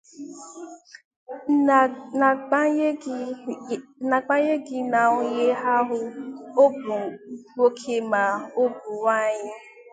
n'agbanyeghị na onye ahụ ọ bụ nwoke ma ọ bụ nwaanyị